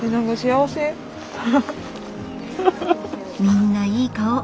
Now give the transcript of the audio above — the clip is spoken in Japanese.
みんないい顔。